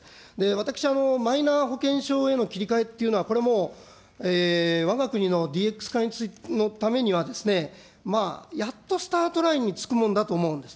私、マイナ保険証への切り替えっていうのは、これもう、わが国のＤＸ化のためにはですね、やっとスタートラインにつくものだと思うんです。